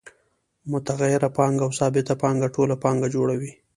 متغیره پانګه او ثابته پانګه ټوله پانګه جوړوي